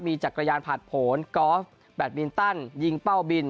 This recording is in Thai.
มีจักรยานผ่านผลกอล์ฟแบตมินตันยิงเป้าบิน